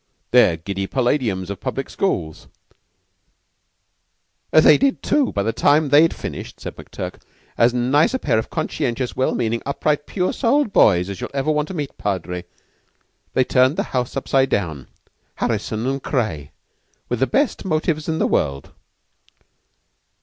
They're giddy palladiums of public schools." "They did, too by the time they'd finished," said McTurk. "As nice a pair of conscientious, well meanin', upright, pure souled boys as you'd ever want to meet, Padre. They turned the house upside down Harrison and Craye with the best motives in the world."